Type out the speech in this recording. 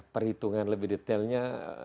perhitungan lebih detailnya